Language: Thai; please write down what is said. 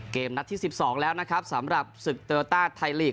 เกมนัดที่สิบสองแล้วนะครับสำหรับศึกเตอร์ต้าไทยลีก